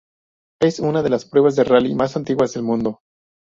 Es una de las pruebas de rally más antiguas del mundo.